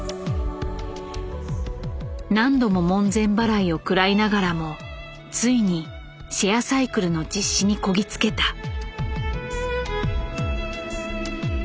何度も門前払いを食らいながらもついにシェアサイクルの実施にこぎ着けた。